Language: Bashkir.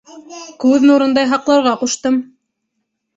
Күҙ нурындай һаҡларға ҡуштым.